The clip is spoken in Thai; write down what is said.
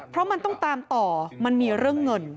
เพราะมันต้องตามต่อมันมีเรื่องเงิน